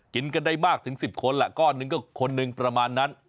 กินกันได้มากถึง๑๐คนแหละก้อนหนึ่งก็คนหนึ่งประมาณนั้น